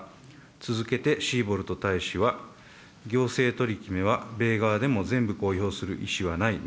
続けてシーボルト大使は、行政取り決めは米側でも全部公表する意思はない。